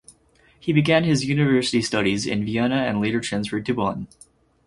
He began his university studies in Vienna and later transferred to Bonn.